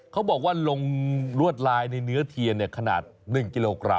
เขาบอกว่าลงลวดลายในเนื้อเทียนขนาด๑กิโลกรัม